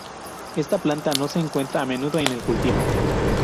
Esta planta no se encuentra a menudo en el cultivo.